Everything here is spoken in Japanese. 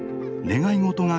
願い事は？